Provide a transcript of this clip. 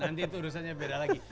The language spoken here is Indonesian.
nanti itu urusannya beda lagi